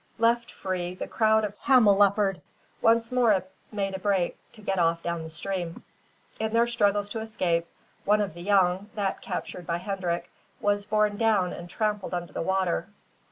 Left free, the crowd of camelopards once more made a break to get off down stream. In their struggles to escape, one of the young that captured by Hendrik was borne down and trampled under the water.